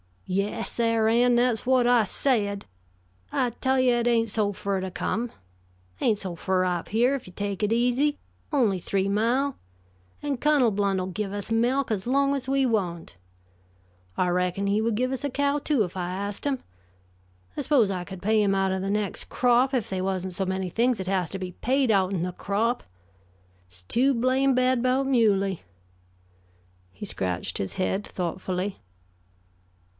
"Yes, Sar' Ann, that's whut I said. I tell you, it ain't so fur to come, ain't so fur up here, if you take it easy; only three mile. And Cunnel Blount'll give us melk as long as we want. I reckon he would give us a cow, too, if I ast him. I s'pose I could pay him out o' the next crop, if they wasn't so many things that has to be paid out'n the crop. It's too blame bad 'bout Muley." He scratched his head thoughtfully.